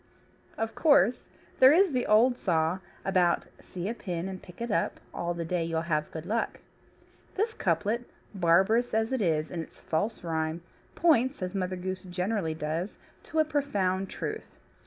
Of course there is the old saw about see a pin and pick it up, all the day you'll have good luck. This couplet, barbarous as it is in its false rhyme, points (as Mother Goose generally does) to a profound truth.